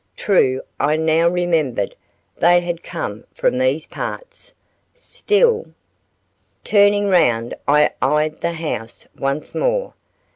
True I now remembered they had come from these parts, still Turning round I eyed the house once more.